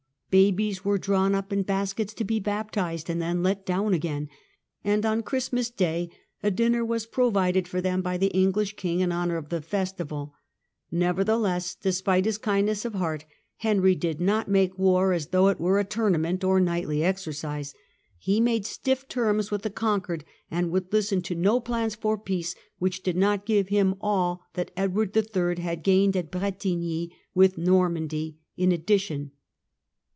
Babies were drawn up in baskets to be baptised and then let down again, and on Christ mas Day a dinner was provided for them by the Enghsh King in honour of the festival. Nevertheless, despite his kindness of heart, Henry did not make war as though it were a tournament or knightly exercise; he 'made stiff terms with the conquered, and would listen to no plans for peace which did not give him all that Edward III. had gained at Bretigni, with Normandy in addition.